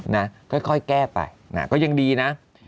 นะค่อยแก้ไปก็ยังดีนะ